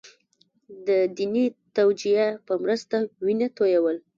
د دیني توجیه په مرسته وینه تویول.